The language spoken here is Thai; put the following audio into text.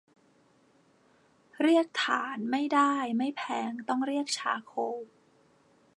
เรียก ถ่าน ไม่ได้ ไม่แพง ต้องเรียก ชาร์โคล